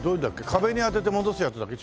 壁に当てて戻すやつだっけ？